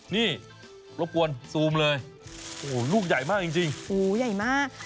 นี่รบกวนซูมเลยโอ้โหลูกใหญ่มากจริงโอ้โหใหญ่มาก